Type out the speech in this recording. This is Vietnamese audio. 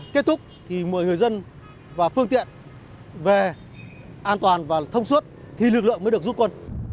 kết thúc thì mời người dân và phương tiện về an toàn và thông suốt thì lực lượng mới được giúp quân